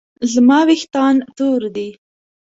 زما ویښتان تور دي